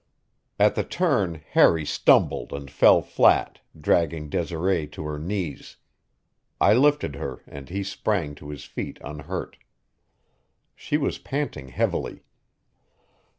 At the turn Harry stumbled and fell flat, dragging Desiree to her knees. I lifted her, and he sprang to his feet unhurt. She was panting heavily.